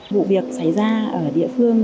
bộ việc xảy ra ở địa phương